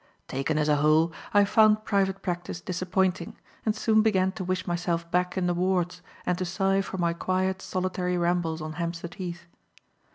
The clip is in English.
Taken as a whole, I found private practice disappointing and soon began to wish myself back in the wards and to sigh for my quiet, solitary rambles on Hampstead Heath.